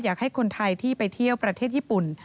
อยากให้คนไทยที่ไปเที่ยวประเทศญี่ปุ่น